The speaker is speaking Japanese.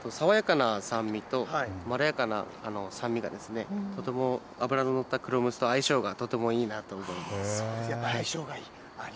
爽やかな酸味と、まろやかな酸味がですね、とても脂の乗ったクロムツと相性がとてもいいなと思います。